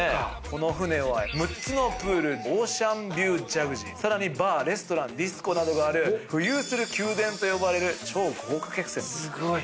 この船は６つのプールオーシャンビュージャグジーさらにバーレストランディスコなどがある浮遊する宮殿と呼ばれる超豪華客船。